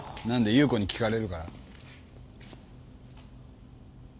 優子に聞かれるから？